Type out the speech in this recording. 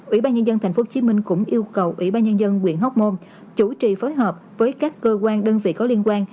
ủy ban nhân dân tp hcm cũng yêu cầu ủy ban nhân dân quyện hóc môn chủ trì phối hợp với các cơ quan đơn vị có liên quan